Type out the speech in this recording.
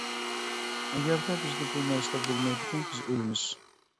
ئەگەر بىزدە بۇ نەرسىلەر بولمايدىكەن، بىز ئۆلىمىز.